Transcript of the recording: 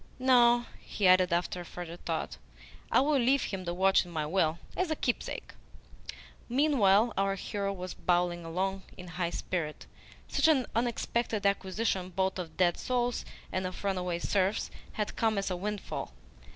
"No," he added after further thought. "I will leave him the watch in my will, as a keepsake." Meanwhile our hero was bowling along in high spirit. Such an unexpected acquisition both of dead souls and of runaway serfs had come as a windfall.